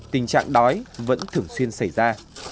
tình trạng đói vẫn thường xuyên xảy ra